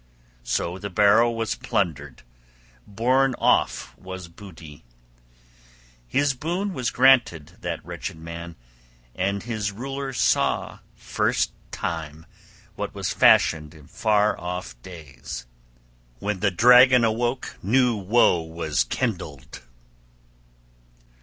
So the barrow was plundered, borne off was booty. His boon was granted that wretched man; and his ruler saw first time what was fashioned in far off days. When the dragon awoke, new woe was kindled.